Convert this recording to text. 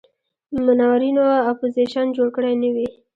منورینو اپوزیشن جوړ کړی نه وي.